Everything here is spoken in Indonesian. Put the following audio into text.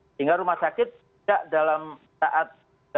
sehingga rumah sakit tidak dalam saat